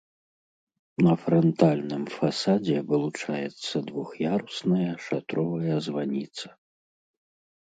На франтальным фасадзе вылучаецца двух'ярусная шатровая званіца.